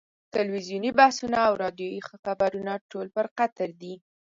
تلویزیوني بحثونه او راډیویي خبرونه ټول پر قطر دي.